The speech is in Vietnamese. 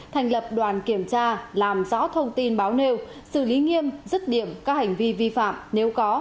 thành lập đoàn kiểm tra làm rõ thông tin báo nêu xử lý nghiêm dứt điểm các hành vi vi phạm nếu có